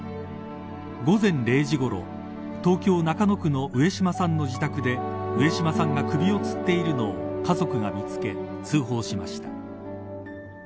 午前０時ごろ東京、中野区の上島さんの自宅で上島さんが首をつっているのを家族が見つけ、通報しました。